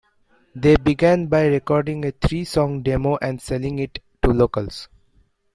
They began by recording a three song demo and selling it to locals.